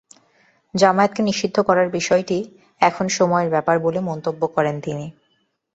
জামায়াতকে নিষিদ্ধ করার বিষয়টি এখন সময়ের ব্যাপার বলে মন্তব্য করেন তিনি।